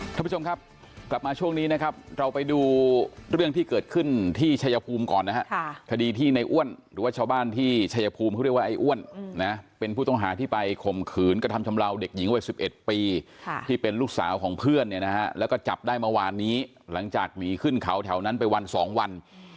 ท่านผู้ชมครับกลับมาช่วงนี้นะครับเราไปดูเรื่องที่เกิดขึ้นที่ชายภูมิก่อนนะฮะคดีที่ในอ้วนหรือว่าชาวบ้านที่ชัยภูมิเขาเรียกว่าไอ้อ้วนนะเป็นผู้ต้องหาที่ไปข่มขืนกระทำชำลาวเด็กหญิงวัย๑๑ปีที่เป็นลูกสาวของเพื่อนเนี่ยนะฮะแล้วก็จับได้เมื่อวานนี้หลังจากหนีขึ้นเขาแถวนั้นไปวันสองวัน